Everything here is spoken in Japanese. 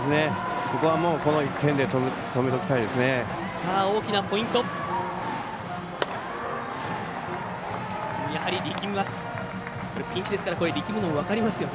ここは、この１点で止めておきたいですね。